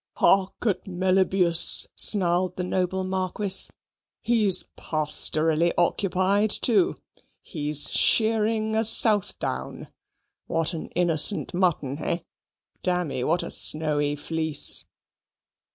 "Hark at Meliboeus," snarled the noble marquis; "he's pastorally occupied too: he's shearing a Southdown. What an innocent mutton, hey? Damme, what a snowy fleece!"